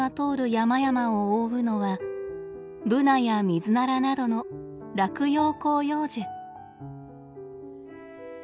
山々を覆うのはブナやミズナラなどの落葉広葉樹。